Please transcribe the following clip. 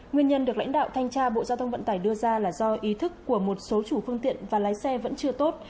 nguyên nhân được lãnh đạo thanh tra bộ giao thông vận tải đưa ra là do ý thức của một số chủ phương tiện và lái xe vẫn chưa tốt